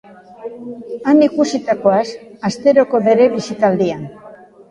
Han ikusitakoaz, asteroko bere bisitaldian.